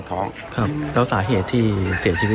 ดูว่าเขาเคยไม่เคยทาน